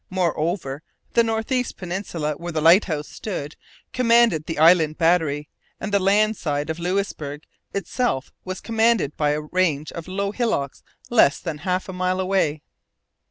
Moreover, the north east peninsula, where the lighthouse stood, commanded the Island Battery; and the land side of Louisbourg itself was commanded by a range of low hillocks less than half a mile away.